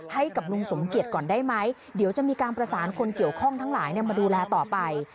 ให้กับลุงสมเกียจก่อนได้ไหมเดี๋ยวจะมีการประสานคนเกี่ยวข้องทั้งหลายมาดูแลต่อไป